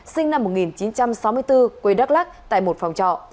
sinh năm một nghìn chín trăm sáu mươi bốn quê đắk lắc tại một phòng trọ